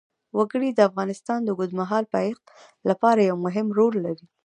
وګړي د افغانستان د اوږدمهاله پایښت لپاره یو مهم رول لري.